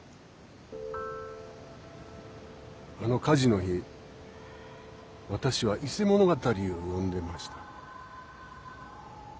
あの火事の日私は「伊勢物語」を読んでました。